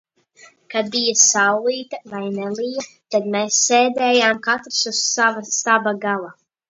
Kad bija saulīte vai nelija, tad mēs sēdējām katrs uz sava staba gala.